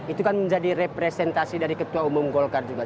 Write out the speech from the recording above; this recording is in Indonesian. itu kan menjadi representasi dari ketua umum golkar juga